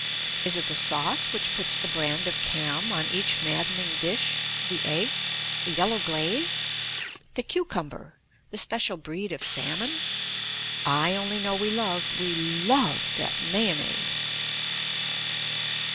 Is it the sauce which puts the brand of Cam on Each maddening dish? The egg? The yellow glaze? The cucumber? The special breed of salmon? I only know we loved, we loved that Mayonnaise!